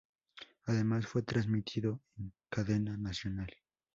Además, fue transmitido en cadena nacional.